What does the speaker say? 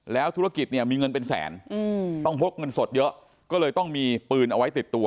แล้วธุรกิจเนี่ยมีเงินเป็นแสนต้องพกเงินสดเยอะก็เลยต้องมีปืนเอาไว้ติดตัว